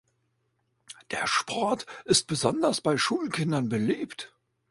Der Sport ist besonders bei Schulkindern beliebt.